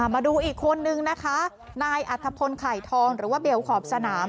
มาดูอีกคนนึงนายอัธพลไข่ทองหรือเบียวขอบสนาม